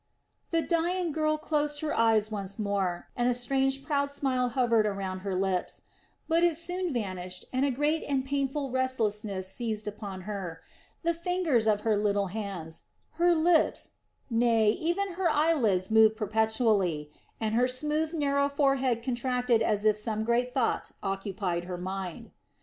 The dying girl closed her eyes once more, and a strange proud smile hovered around her lips. But it soon vanished and a great and painful restlessness seized upon her. The fingers of her little hands, her lips, nay, even her eyelids moved perpetually, and her smooth, narrow forehead contracted as if some great thought occupied her mind.